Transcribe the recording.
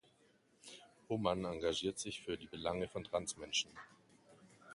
Hohmann engagiert sich für die Belange von trans Menschen.